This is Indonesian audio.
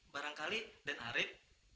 barangkali dan arif